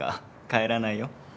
帰らないよ。